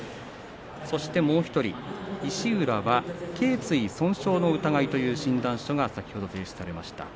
そして、もう１人、石浦はけい椎損傷の疑いという診断書が先ほど提出されました。